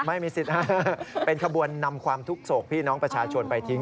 ไม่มีสิทธิ์เป็นขบวนนำความทุกข์โศกพี่น้องประชาชนไปทิ้ง